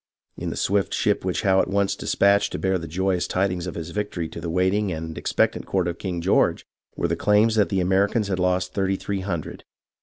In the swift ship which Howe at once despatched to bear the joyous tidings of his victory to the waiting and expectant court of King George, were claims that the Americans had lost thirty three hundred.